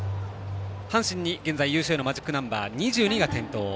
阪神に現在、優勝へのマジックナンバー２２が点灯。